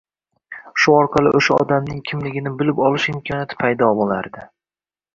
Shu orqali oʻsha odamning kimligini bilib olish imkoniyati paydo boʻlardi.